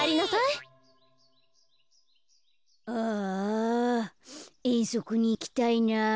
ああえんそくにいきたいな。